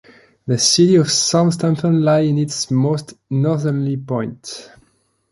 The city of Southampton lies at its most northerly point.